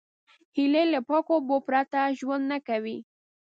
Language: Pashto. هیلۍ له پاکو اوبو پرته ژوند نه کوي